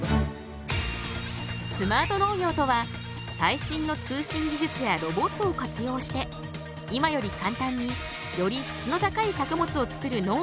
スマート農業とは最新の通信技術やロボットを活用して今より簡単により質の高い作物を作る農業のこと。